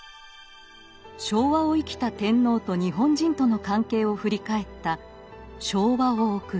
昭和を生きた天皇と日本人との関係を振り返った「『昭和』を送る」。